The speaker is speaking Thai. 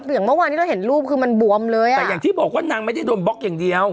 อย่างเมื่อวานที่เราเห็นรูปคือมันบวมเลยอ่ะแต่อย่างที่บอกว่านางไม่ได้โดนบล็อกอย่างเดียว